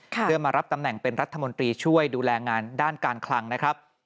เพื่อมารับตำแหน่งเป็นรัฐมนตรีช่วยดูแลงานด้านการคลังนะครับ